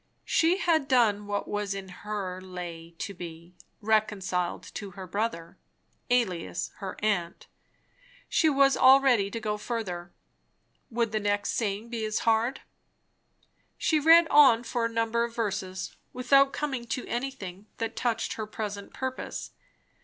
She had done what in her lay to be "reconciled to her brother," alias her aunt; she was all ready to go further. Would the next saying be as hard? She read on, for a number of verses, without coming to anything that touched her present purpose.